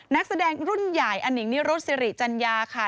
นักแสดงรุ่นใหญ่อนิงนิรุธสิริจัญญาค่ะ